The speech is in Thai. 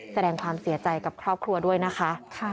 แสดงความเสียใจกับครอบครัวด้วยนะคะ